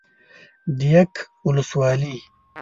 ديک ولسوالي